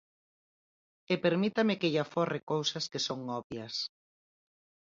E permítame que lle aforre cousas que son obvias.